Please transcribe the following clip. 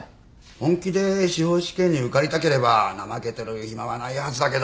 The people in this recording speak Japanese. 本気で司法試験に受かりたければ怠けてる暇はないはずだけど。